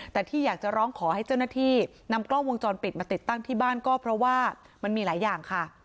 แต่ที่อยากจะร้องขอให้เจ้าหน้าที่นำกล้องวงจรปิดมาติดตั้งที่บ้านก็เพราะว่ามันมีหลายอย่างค่ะ